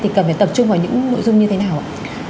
thì cần phải tập trung vào những nội dung như thế nào ạ